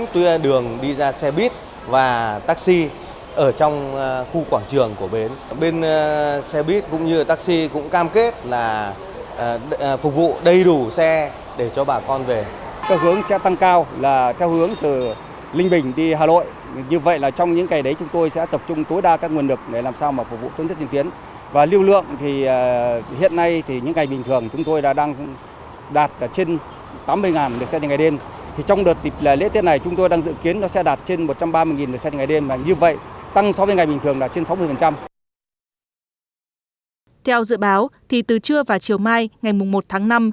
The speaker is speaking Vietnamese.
thì từ trưa và chiều mai ngày một tháng năm